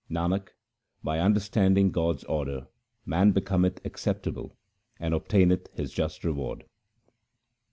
Nanak, by understanding God's order man becometh acceptable, and obtaineth his just reward.